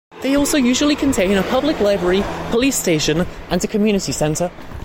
They also usually contain a public library, police station and a community centre.